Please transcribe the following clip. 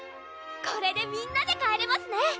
これでみんなで帰れますね！